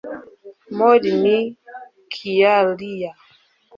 Maureen Kyalya